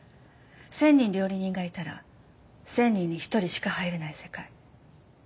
１、０００人料理人がいたら１、０００人に１人しか入れない世界。